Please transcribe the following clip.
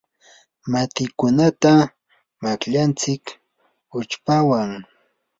matikunata mayllantsik uchpawan.